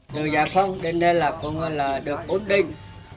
đường giả phong đến đây là được ổn định